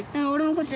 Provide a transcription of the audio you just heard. こっち？